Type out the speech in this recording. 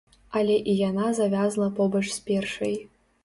Але і яна завязла побач з першай.